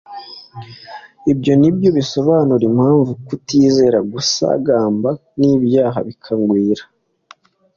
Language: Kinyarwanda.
Ibyo nibyo bisobanura impamvu kutizera gusagamba n'ibyaha bikagwira.